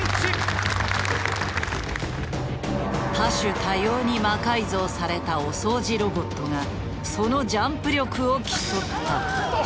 多種多様に魔改造されたお掃除ロボットがそのジャンプ力を競った。